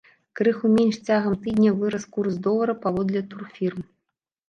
Крыху менш цягам тыдня вырас курс долара паводле турфірм.